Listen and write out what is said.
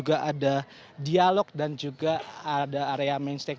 ada dialog dan juga ada area mainstay